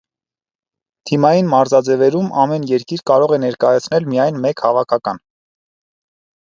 Թիմային մարզաձևերում ամեն երկիր կարող է ներկայացնել միայն մեկ հավաքական։